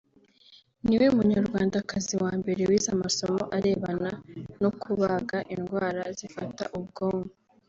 ni we munyarwandakazi wa mbere wize amasomo arebena no kubaga indwara zifata ubwonko